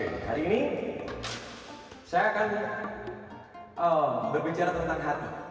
oke hari ini saya akan berbicara tentang hati